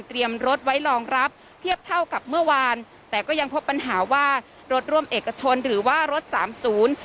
รถไว้รองรับเทียบเท่ากับเมื่อวานแต่ก็ยังพบปัญหาว่ารถร่วมเอกชนหรือว่ารถสามศูนย์